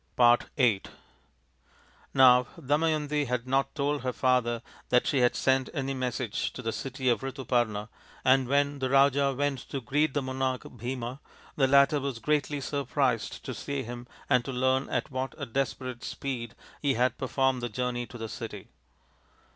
142 THE INDIAN STORY BOOK VIII Now Damayanti had not told her father that she had sent any message to the city of Rituparna, and when the Raja went to greet the monarch Bhima the latter was greatly surprised to see him and to learn at what a desperate speed he had performed the journey to the city.